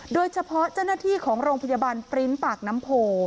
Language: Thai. โดยเฉพาะเจ้าหน้าที่ของโรงพยาบาลปริ้นต์ปากน้ำโพ